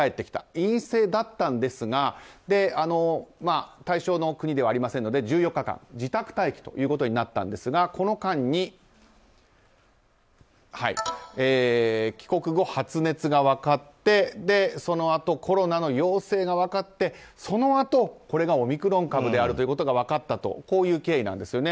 陰性だったんですが対象の国ではありませんので１４日間自宅待機ということになったわけですがこの間に帰国後、発熱が分かってそのあとコロナの陽性が分かってそのあと、これがオミクロン株であるということが分かったとこういう経緯なんですよね。